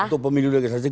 untuk pemilu legislatif